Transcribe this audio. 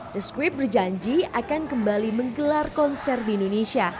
the script berjanji akan kembali menggelar konser di indonesia